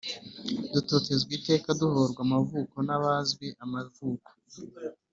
Dutotezwa iteka Duhorwa amavuko N’abazwi amavuko !